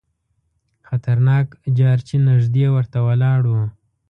خطرناک جارچي نیژدې ورته ولاړ وو.